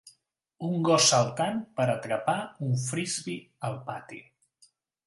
Un gos saltant per atrapar un frisbi al pati.